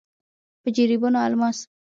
په جريبونو الماس.